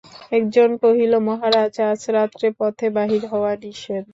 একজন কহিল, মহারাজ, আজ রাত্রে পথে বাহির হওয়া নিষেধ।